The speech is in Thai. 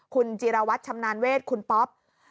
คุณจิรวัตรชำนาญเวทคุณป๊อป